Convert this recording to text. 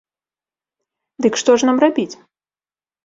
Дык што ж нам рабіць?